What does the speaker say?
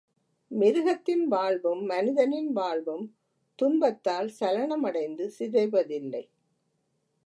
மிருகத்தின் வாழ்வும், மனிதனின் வாழ்வும், துன்பத்தால் சலனமடைந்து சிதைவதில்லை.